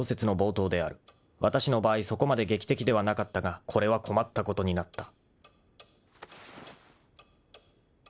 そこまで劇的ではなかったがこれは困ったことになった］